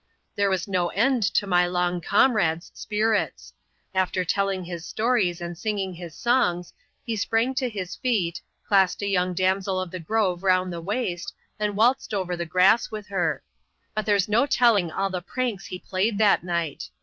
The^e was no end to my long comrade's spirits. After telling his stories, and singing his songs, he sprang to his feet, clasped a young damsel of the grove round the waist^ and waltzed over the grass with her. But there's no telling all the pranks he played that night.